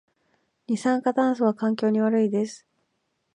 二酸化炭素は環境に悪いです